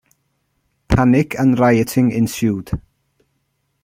Panic and rioting ensued.